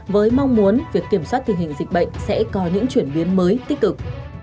với mong muốn việc kiểm soát tình hình dịch bệnh sẽ có những chuyển biến mới tích cực